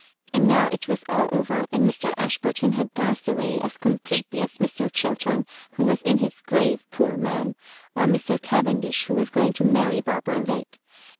And now it was all over, and Mr. Ashburton had passed away as com pletely as Mr. Oliiltern, who was in his grave, poor man; or Mr. Cavendish, who was going to marry Barbara Lake.